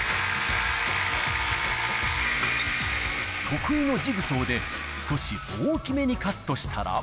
得意のジグソーで少し大きめにカットしたら。